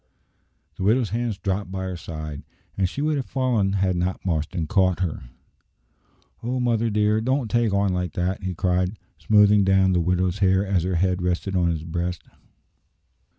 The widow's hands dropped by her side, and she would have fallen had not Marston caught her. "O mother dear, don't take on like that!" he cried, smoothing down the widow's hair as her head rested on his breast.